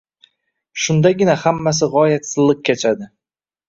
Shundagina hammasi gʻoyat silliq kechadi.